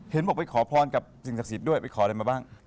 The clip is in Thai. เห็นบอกไปขอพรกับสิ่งศักดิ์สิทธิ์ด้วยไปขออะไรมาบ้าง